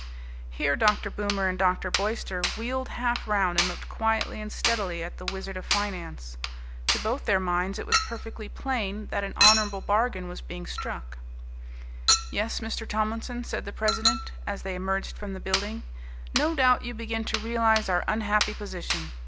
Here Dr. Boomer and Dr. Boyster wheeled half round and looked quietly and steadily at the Wizard of Finance. To both their minds it was perfectly plain that an honourable bargain was being struck. "Yes, Mr. Tomlinson," said the president, as they emerged from the building, "no doubt you begin to realize our unhappy position.